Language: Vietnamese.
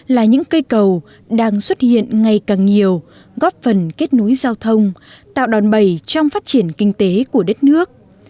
là những cây cầu đang xuất hiện ngày càng nhiều góp phần kết nối giao thông tạo đòn bầy trong phát triển kinh tế của đất nước